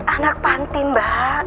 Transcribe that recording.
anak pantai mbak